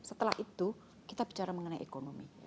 setelah itu kita bicara mengenai ekonomi